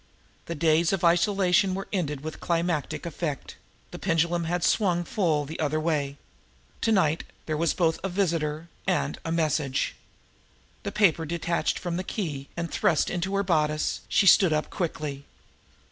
The days of isolation were ended with climacteric effect; the pendulum had swung full the other way to night there was both a visitor and a message! The paper detached from the key and thrust into her bodice, she stood up quickly.